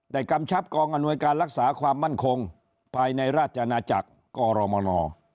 กำชับกองอำนวยการรักษาความมั่นคงภายในราชอาณาจักรกรมน